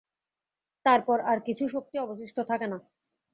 তারপর আর কিছু শক্তি অবশিষ্ট থাকে না।